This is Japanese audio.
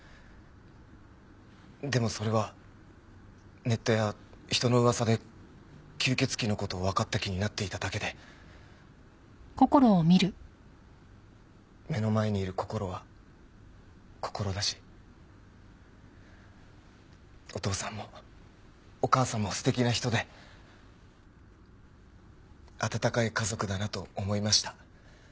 でもそれはネットや人の噂で吸血鬼の事をわかった気になっていただけで目の前にいるこころはこころだしお義父さんもお義母さんも素敵な人で温かい家族だなと思いました。